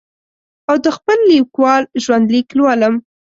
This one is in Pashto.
او د خپل لیکوال ژوند لیک لولم.